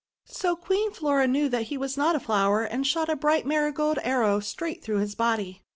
So Queen Flora knew that he was not a flower, and shot a bright Marigold arrow straight through his body.